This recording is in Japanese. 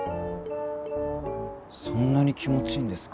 そんなに気持ちいいんですか？